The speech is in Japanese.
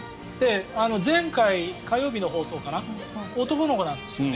前回、火曜日の放送かな男の子なんですよね。